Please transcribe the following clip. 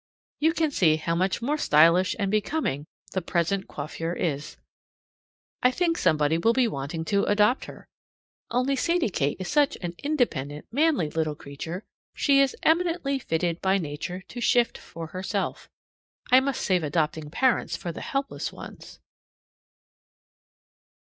You can see how much more stylish and becoming the present coiffure is. I think somebody will be wanting to adopt her. Only Sadie Kate is such an independent, manly little creature; she is eminently fitted by nature to shift for herself. I must save adopting parents for the helpless ones.